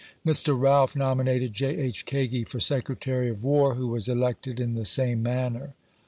Mr. Realf nominated J. H. Kagi for Secretary of "War, who was elected in the same manner.